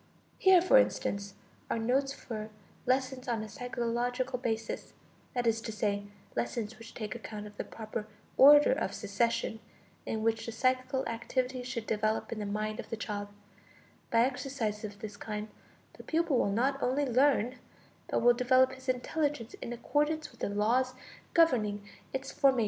Here, for instance, are notes for lessons on a psychological basis, that is to say, lessons which take account of the proper order of succession in which the psychical activities should develop in the mind of the child; by exercises of this kind, the pupil will not only learn, but will develop his intelligence in accordance with the laws governing its formation.